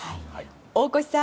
大越さん